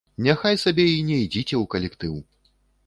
Няхай сабе і не ідзіце ў калектыў.